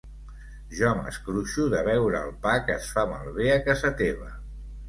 Jo m'escruixo de veure el pa que es fa malbé a casa teva.